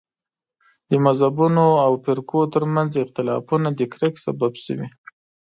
د مذهبونو او فرقو تر منځ اختلافونه د کرکې سبب شوي.